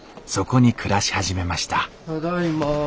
そこに暮らし始めましたただいま。